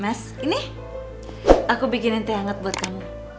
mas ini aku bikinin teh hangat buat kamu